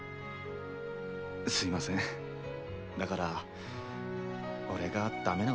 すいませんだから俺がダメな男なんです。